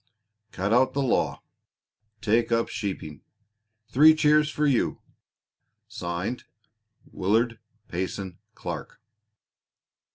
_ "Cut out the law. Take up sheeping. Three cheers for you! "(Signed) WILLARD PAYSON CLARK.